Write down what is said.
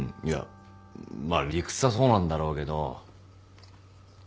いやまあ理屈はそうなんだろうけど。